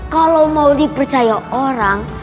kalau mau dipercaya orang